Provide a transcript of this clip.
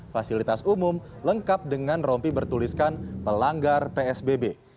fasilitas umum lengkap dengan rompi bertuliskan pelanggar psbb